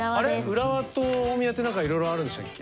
浦和と大宮ってなんかいろいろあるんでしたっけ？